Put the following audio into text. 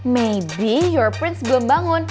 maybe euro prince belum bangun